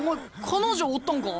彼女おったんか？